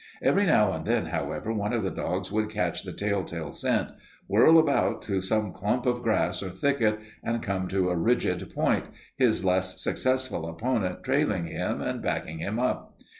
Every now and then, however, one of the dogs would catch the tell tale scent, whirl about to some clump of grass or thicket, and come to a rigid point, his less successful opponent trailing him and backing him up.